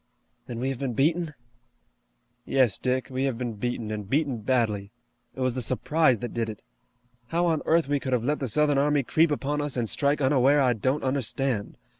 "Then we have been beaten?" "Yes, Dick, we have been beaten, and beaten badly. It was the surprise that did it. How on earth we could have let the Southern army creep upon us and strike unaware I don't understand.